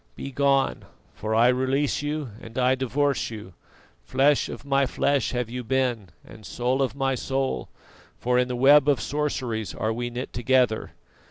Begone, for I release you and I divorce you. Flesh of my flesh have you been, and soul of my soul, for in the web of sorceries are we knit together.